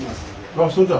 あそうだ。